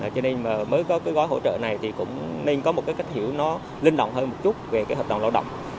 cho nên mới có cái gói hỗ trợ này thì cũng nên có một cái cách hiểu nó linh động hơn một chút về cái hợp đồng lao động